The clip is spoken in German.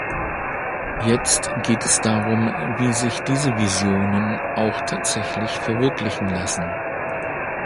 Jetzt geht es darum, wie sich diese Visionen auch tatsächlich verwirklichen lassen.